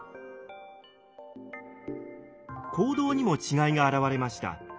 行動にも違いが現れました。